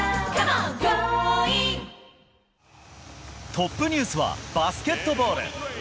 トップニュースはバスケットボール。